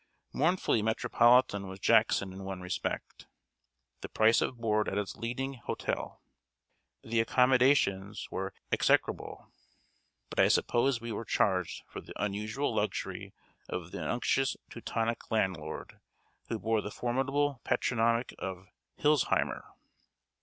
Mournfully metropolitan was Jackson in one respect the price of board at its leading hotel. The accommodations were execrable; but I suppose we were charged for the unusual luxury of an unctuous Teutonic landlord, who bore the formidable patronymic of H i l z h e i m e r!